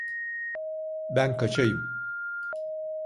Ben kaçayım.